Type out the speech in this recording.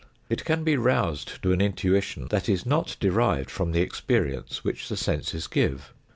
It can be roused to an intuition that is not derived from the experience which the senses give.